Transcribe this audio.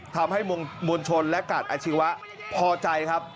ทำให้มวลชนและกาดอาชีวะพอใจครับ